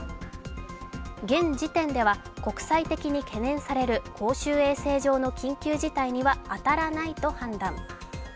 現時点では、国際的に懸念される公衆衛生上の緊急事態には当たらないと判断。